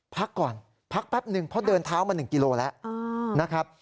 พักก่อนพักแป๊บหนึ่งเพราะเดินเท้ามา๑กิโลกรัมแล้ว